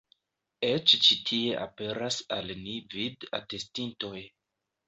Eĉ ĉi tie aperas al ni vid-atestintoj.